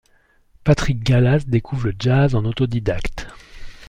Patrice Galas découvre le jazz en autodidacte.